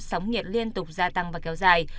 sống nhiệt liên tục gia tăng và kéo dài